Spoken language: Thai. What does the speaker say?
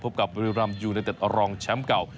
พบกับบริรามยูนาเต็ดอรองแชมป์เก่า